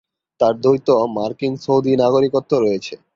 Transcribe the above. তাঁর দ্বৈত মার্কিন-সৌদি নাগরিকত্ব রয়েছে।